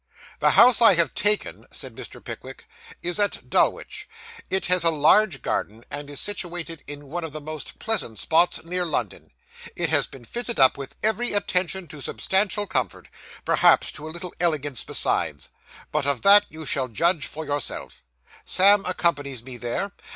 'The house I have taken,' said Mr. Pickwick, 'is at Dulwich. It has a large garden, and is situated in one of the most pleasant spots near London. It has been fitted up with every attention to substantial comfort; perhaps to a little elegance besides; but of that you shall judge for yourselves. Sam accompanies me there.